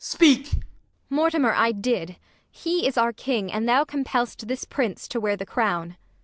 speak. Kent. Mortimer, I did: he is our king, And thou compell'st this prince to wear the crown.